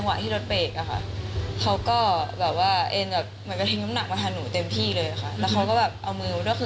เอิ้นซักพักพอรถมันหายรถมันเลิกกระทาก